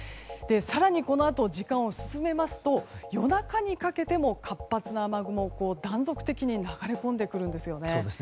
更にこのあと時間を進めますと夜中にかけても活発な雨雲が断続的に流れ込んでくるんですよね。